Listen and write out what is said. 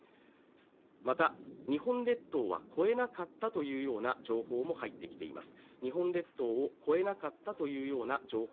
また日本列島は越えなかったというような情報も入っています。